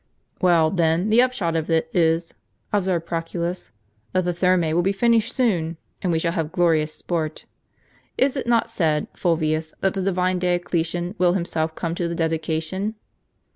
"Well, then, the upshot of it is," observed Proculus, "that the Thermte will be finished soon, and we shall have glorious sport. Is it not said. Fulvius, that the divine Dioclesian will himself come to the dedication?